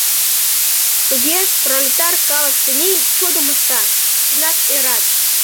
Туге, пролетар калык тений чудым ышта, чынак ӧрат.